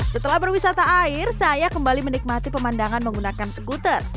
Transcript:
setelah berwisata air saya kembali menikmati pemandangan menggunakan skuter